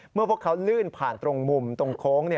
เมื่อพวกเขาลื่นผ่านตรงมุมตรงโค้งนี่